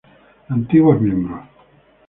Antiguos miembros